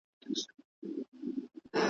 وئيل يې چې دا شپه او تنهايۍ کله يو کيږي ,